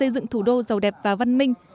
dựng thủ đô giàu đẹp và văn minh